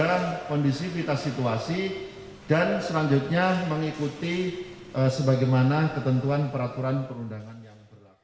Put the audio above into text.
dalam kondisi kita situasi dan selanjutnya mengikuti sebagaimana ketentuan peraturan perundangan yang berlaku